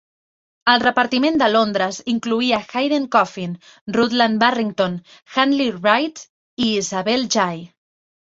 El repartiment de Londres incloïa Hayden Coffin, Rutland Barrington, Huntley Wright i Isabel Jay.